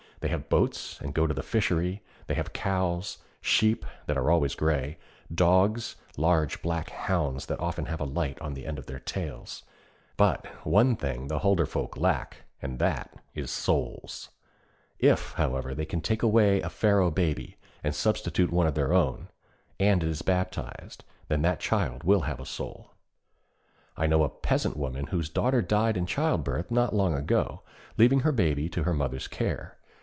They have boats and go to the fishery; they have cows, sheep (that are always gray), dogs (large black hounds that often have a light on the end of their tails); but one thing the Hulderfolk lack and that is souls. If, however, they can take away a Faroe baby and substitute one of their own, and it is baptized, then that child will have a soul. I know a peasant woman whose daughter died in childbirth not long ago, leaving her baby to her mother's care.